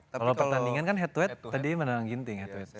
kalau pertandingan kan head to head tadi menang ginting head to head